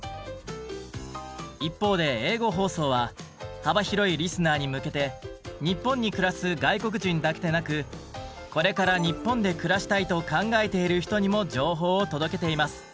一方で英語放送は幅広いリスナーに向けて日本に暮らす外国人だけでなく「これから日本で暮らしたいと考えている人」にも情報を届けています。